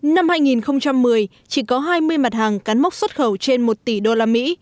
năm hai nghìn một mươi chỉ có hai mươi mặt hàng cán mốc xuất khẩu trên một tỷ đô la mỹ